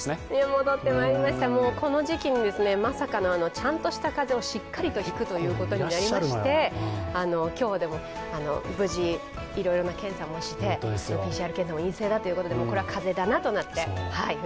戻ってまいりました、この時期にまさかのちゃんとした風邪をしっかりと引くことになりまして、今日は無事、いろいろな検査もしてＰＣＲ検査も陰性でこれは風邪だなとなって。